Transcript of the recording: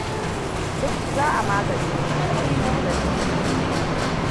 Duk za a magance matsalar, kun gani.